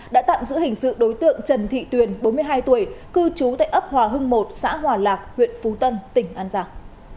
đã tạm giữ hình sự đối tượng trần thị tuyền bốn mươi hai tuổi cư trú tại ấp hòa hưng một xã hòa lạc huyện phú tân tỉnh an giang